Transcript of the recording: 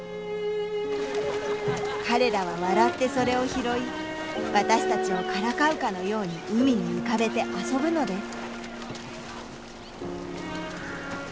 彼らは笑ってそれを拾い私たちをからかうかのように海に浮かべて遊ぶのです